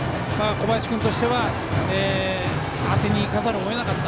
小林君としては当てにいかざるをえなかった。